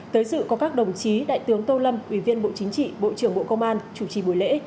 tới sự có các đồng chí đại tướng tô lâm ủy viên bộ chính trị bộ trưởng bộ công an chủ trì buổi lễ